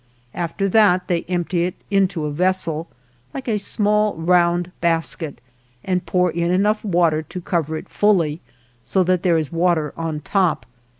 After that they empty it into a vessel, like a small, round basket, and pour in enough water to cover it fully, so that there is water on top.